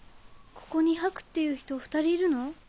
ここにハクっていう人２人いるの？